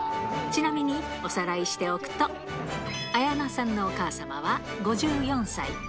ちなみに、おさらいしておくと、綾菜さんのお母様は５４歳。